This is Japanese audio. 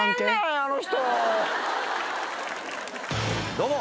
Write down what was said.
どうも。